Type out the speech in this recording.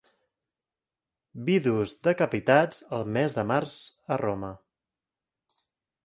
Vidus decapitats el mes de març a Roma.